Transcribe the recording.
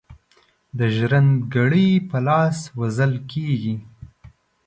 د ژرند ګړي په لاس وژل کیږي.